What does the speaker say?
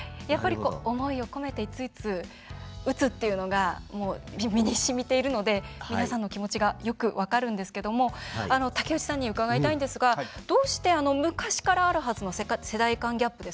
思いを込めて打つというのが身にしみているので皆さんの気持ちがよく分かるんですけれども竹内さんに伺いたいんですがどうして昔からあるはずの世代間ギャップ